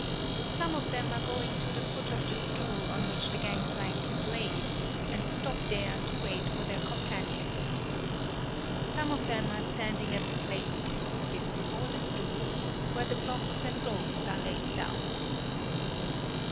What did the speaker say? Some of them are going to the foot of the stool on which the gangplank is laid, and stop there to wait for their com panions. Some of them are standing at the place, a bit before the stool, where the blocks and ropes are laid down.